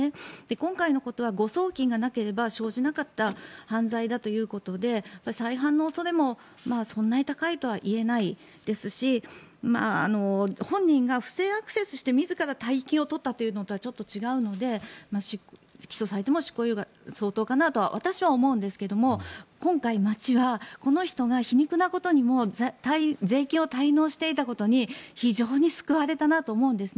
今回のことは誤送金がなければ生じなかった犯罪だということで再犯の恐れもそんなに高いとは言えないですし本人が不正アクセスして自ら大金を取ったというのとはちょっと違うので起訴されても執行猶予が相当かなと私は思うんですが今回町はこの人が皮肉なことにも税金を滞納していたことに非常に救われたなと思うんです。